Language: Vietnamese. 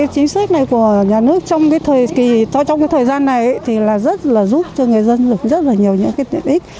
chính sách này của nhà nước trong thời gian này rất giúp cho người dân được rất nhiều tiện ích